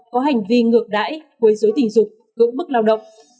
có hành vi ngược đáy với dối tình dục cưỡng bức lao động